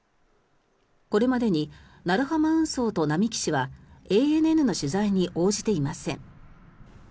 これまでに鳴浜運送と並木氏はＡＮＮの取材に応じていません。